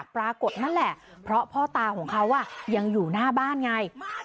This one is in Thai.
ปรากฏนั่นแหละเพราะพ่อตาของเขายังอยู่หน้าบ้านไง